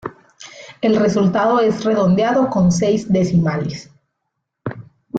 El resultado es redondeado con seis decimales.